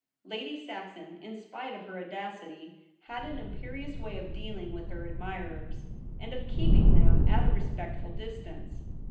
Lady Saxon, in spite of her audacity, had an imperious way of dealing with her admirers, and of keeping them at a respectful distance.